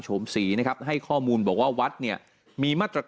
ซึ่งปกติจะมีการเช็คชื่อตลอดว่ามีนักเรียนคนไหนหายไปบ้าง